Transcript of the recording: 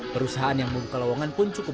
perusahaan yang membuka lawangan pun cukup